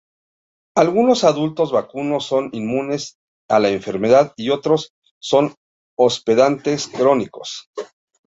Algunos adultos vacunos son inmunes a la enfermedad, y otros son hospedantes crónicos.